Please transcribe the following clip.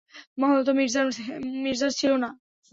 মহল তো মির্জার ছিলোইনা?